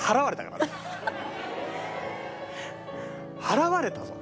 払われたぞ。